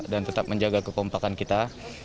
dan tetap menjaga kekompakan kita